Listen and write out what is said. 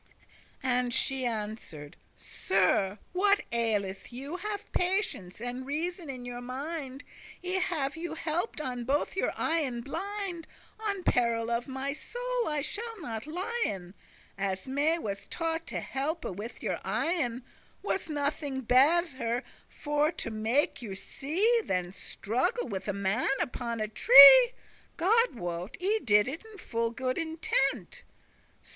And she answered: "Sir, what aileth you? Have patience and reason in your mind, I have you help'd on both your eyen blind. On peril of my soul, I shall not lien, As me was taught to helpe with your eyen, Was nothing better for to make you see, Than struggle with a man upon a tree: God wot, I did it in full good intent."